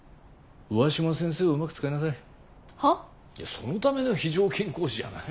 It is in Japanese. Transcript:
そのための非常勤講師じゃない？